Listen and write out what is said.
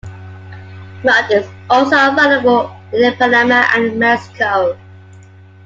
Mudd is also available in Panama and Mexico.